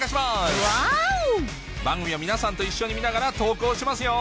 番組を皆さんと一緒に見ながら投稿しますよ